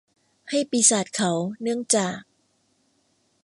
ให้ปีศาจเขาเนื่องจาก